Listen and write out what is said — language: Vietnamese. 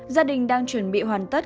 gia đình đang chuẩn bị hoàn tất